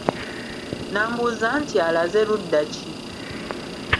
N'ambuuza nti Alaze ludda ki?